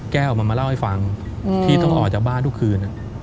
แก้วมันมาเล่าให้ฟังที่ต้องออกจากบ้านทุกคืน